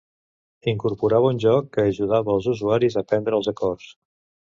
Incorporava un joc que ajudava els usuaris a aprendre els acords.